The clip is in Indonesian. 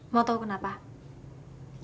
mau tahu kenapa